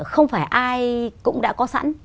không phải ai cũng đã có sẵn